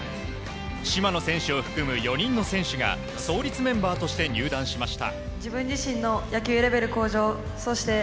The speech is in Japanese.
島野選手を含む４人の選手が創立メンバーとして入団しました。